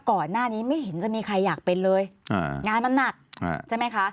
ก่อนหน้านี้ไม่เห็นจะมีใครอยากเป็นเลยงานมันหนักใช่ไหมคะ